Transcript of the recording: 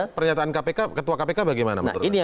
pernyataan kpk ketua kpk bagaimana menurut anda